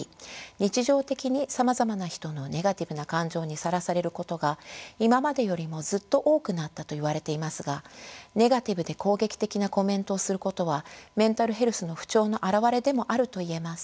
日常的にさまざまな人のネガティブな感情にさらされることが今までよりもずっと多くなったといわれていますがネガティブで攻撃的なコメントをすることはメンタルヘルスの不調の表れでもあるといえます。